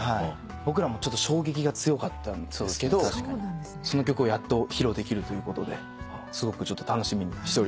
僕らも衝撃が強かったんですけどその曲をやっと披露できるということですごく楽しみにしております。